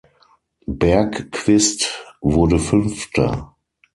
Bergqvist wurde Fünfter.